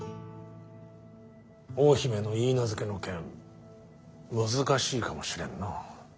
大姫の許婚の件難しいかもしれんな。